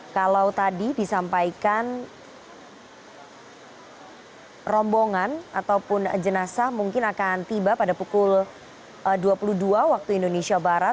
kalau tadi disampaikan rombongan ataupun jenazah mungkin akan tiba pada pukul dua puluh dua waktu indonesia barat